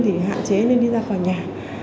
thì hạn chế nên đi ra khỏi nhà